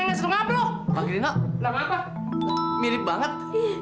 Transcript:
mulai bakal indah